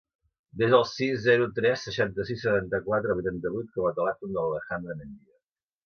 Desa el sis, zero, tres, seixanta-sis, setanta-quatre, vuitanta-vuit com a telèfon de l'Alejandra Mendia.